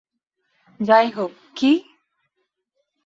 যাই হোক - কি?